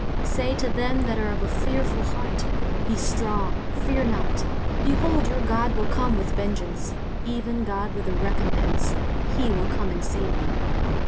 23:035:004 Say to them that are of a fearful heart, Be strong, fear not: behold, your God will come with vengeance, even God with a recompence; he will come and save you.